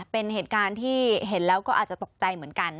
เป็นเหตุการณ์ที่เห็นแล้วก็อาจจะตกใจเหมือนกัน